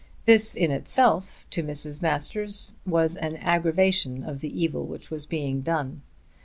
This in itself was to Mrs. Masters an aggravation of the evil which was being done.